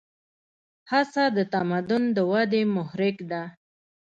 هڅه د تمدن د ودې محرک ده.